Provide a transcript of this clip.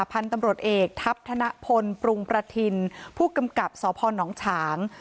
พันธุ์ตำรวจเอกทัพธนพลปรุงประทินผู้กำกับสพนฉาง